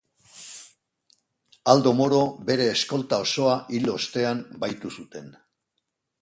Aldo Moro bere eskolta osoa hil ostean bahitu zuten.